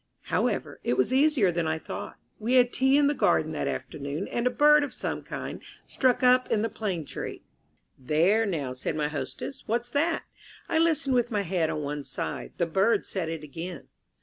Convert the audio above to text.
However, it was easier than I thought. We had tea in the garden that afternoon, and a bird of some kind struck up in the plane tree. "There, now," said my hostess, "what's that?" I listened with my head on one side. The bird said it again.